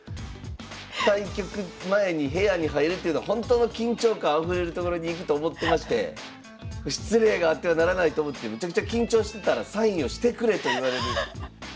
対局前に部屋に入るっていうのはほんとの緊張感あふれる所に行くと思ってまして失礼があってはならないと思ってめちゃくちゃ緊張してたらサインをしてくれと言われる。